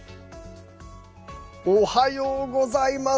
おはようございます。